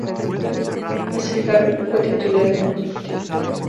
Meseguer fue titular en ambos partidos.